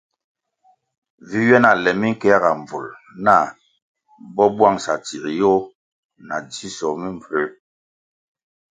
Vi ywia na le minkeega mbvul nah bo bwangʼsa tsie yoh na dzisoh mimbvū.